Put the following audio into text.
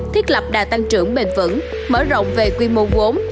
thiết lập đã tăng trưởng bền vững mở rộng về quy mô vốn